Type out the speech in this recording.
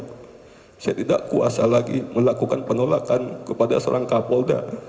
saya tidak kuasa lagi melakukan penolakan kepada seorang kapolda